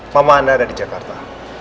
mama anda ada di jakarta